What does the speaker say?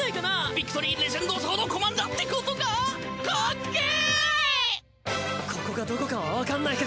ビクトリーレジェンドソードコマンダーってことか！？かっけ！